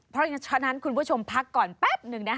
เพราะฉะนั้นคุณผู้ชมพักก่อนแป๊บนึงนะคะ